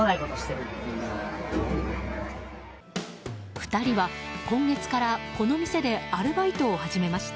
２人は今月からこの店でアルバイトを始めました。